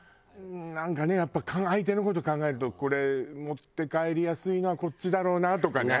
なんかねやっぱ相手の事考えるとこれ持って帰りやすいのはこっちだろうなとかね。